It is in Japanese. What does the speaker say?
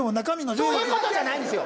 そういうことじゃないんですよ。